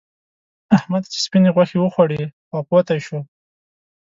احمد چې سپينې غوښې وخوړې؛ خواپوتی شو.